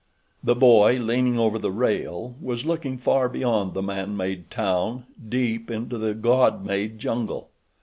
The boy, leaning over the rail, was looking far beyond the man made town deep into the God made jungle.